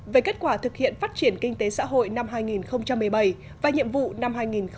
về kết quả thực hiện phát triển kinh tế xã hội năm hai nghìn một mươi bảy và nhiệm vụ năm hai nghìn một mươi tám